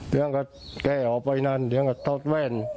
เรื่องกับแก่ออกไปนานเรื่องกับเตาะแว่น